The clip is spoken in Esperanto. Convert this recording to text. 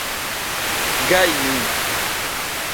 gajni